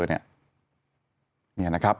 นี่นะครับ